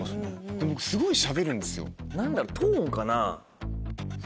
でもすごいしゃべるんですよ。